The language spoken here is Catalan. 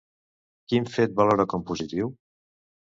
Quin fet valora com positiu?